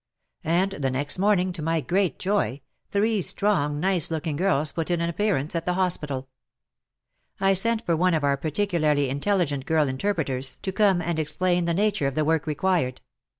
And the next morning, to my great joy, three strong, nice looking girls put in an appear ance at the hospital. I sent for one of our particularly intelligent girl interpreters to come II 1 62 WAR AND WOMEN and explain the nature of the work required.